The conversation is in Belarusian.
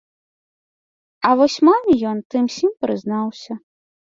А вось маме ён тым-сім прызнаўся.